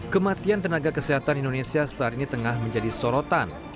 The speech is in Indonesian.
kematian tenaga kesehatan indonesia saat ini tengah menjadi sorotan